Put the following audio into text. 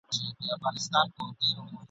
چی دي بند نه سي په ستوني یا په خوله کی ..